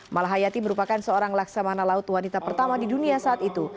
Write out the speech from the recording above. malahayati merupakan seorang laksamana laut wanita pertama di dunia saat itu